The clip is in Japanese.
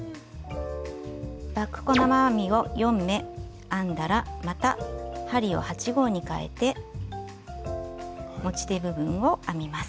バック細編みを４目編んだらまた針を８／０号にかえて持ち手部分を編みます。